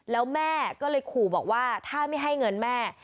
แล้วแม่ก็เลยขู่บอกว่าถ้าไม่ให้เงินแม่